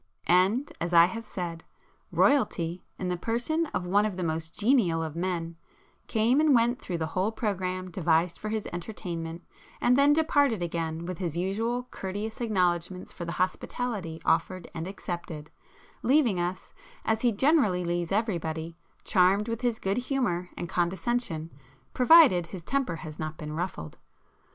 And, as I have said, Royalty, in the person of one of the most genial of men, came and went through the whole programme devised for his entertainment, and then departed again with his usual courteous acknowledgments for the hospitality offered and accepted,—leaving us, as he generally leaves everybody, charmed with his good humour and condescension, provided his temper has not been ruffled.